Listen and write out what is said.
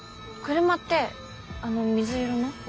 車ってあの水色の？